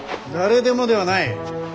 誰でもではない。